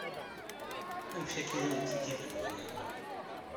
Amek akka i awent-d-iban waya?